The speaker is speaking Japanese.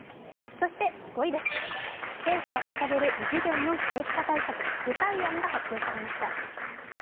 そして５位、政府が掲げる異次元の少子化対策、具体案が発表されました。